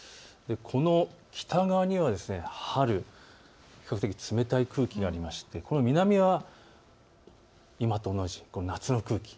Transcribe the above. この北側には春、比較的冷たい空気がありまして、南は今と同じ、夏の空気。